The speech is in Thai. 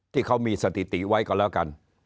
ที่เขามีสถิติไว้ก็แล้วกัน